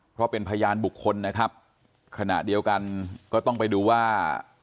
เพราะเป็นพยานบุคคลนะครับขณะเดียวกันก็ต้องไปดูว่า